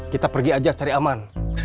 kita pergi aja cari aman